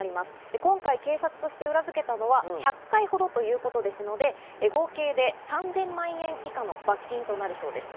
今回警察として裏付けたのは１００回ほどということですので、合計で３０００万円以下の罰金になるそうです。